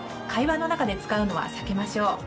会話の中で使うのは避けましょう。